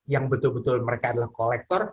yang betul betul mereka adalah kolektor